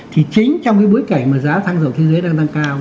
thì chính trong cái bối cảnh mà giá xăng dầu thế giới đang tăng cao